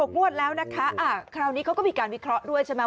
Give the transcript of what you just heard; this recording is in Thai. งวดแล้วนะคะคราวนี้เขาก็มีการวิเคราะห์ด้วยใช่ไหม